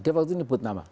dia waktu itu nyebut nama